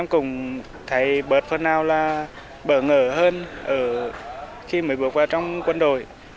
em cũng thấy bớt phần nào là bỡ ngỡ hơn khi mới bước qua trong quân đội